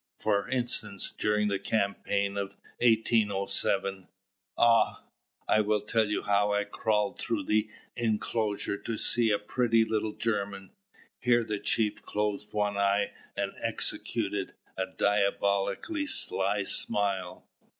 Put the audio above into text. For instance, during the campaign of 1807 Ah! I will tell to you how I crawled through the enclosure to see a pretty little German." Here the chief closed one eye and executed a diabolically sly smile.